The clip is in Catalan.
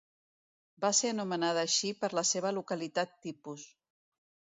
Va ser anomenada així per la seva localitat tipus.